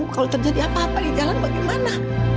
kalau terjadi apa apa di jalan bagaimana